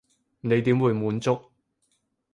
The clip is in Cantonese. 你點會滿足？